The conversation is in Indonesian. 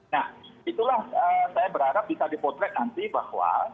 nah itulah saya berharap bisa dipotret nanti bahwa